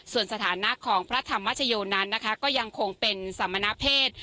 ส่วนสถานะของพระธรรมชโยนั้นนะคะก็ยังคงเป็นสมณเพศ